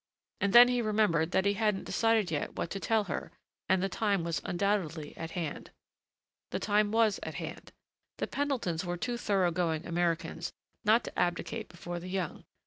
And then he remembered that he hadn't decided yet what to tell her and the time was undoubtedly at hand. The time was at hand. The Pendletons were too thorough going Americans not to abdicate before the young.